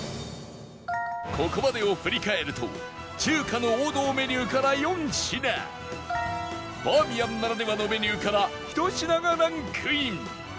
ここまでを振り返ると中華の王道メニューから４品バーミヤンならではのメニューから１品がランクイン